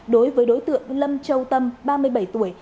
đối với đối tượng lâm châu tâm ba mươi bảy tuổi